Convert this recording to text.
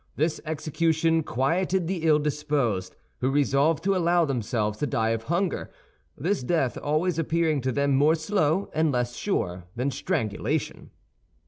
This execution quieted the ill disposed, who resolved to allow themselves to die of hunger—this death always appearing to them more slow and less sure than strangulation.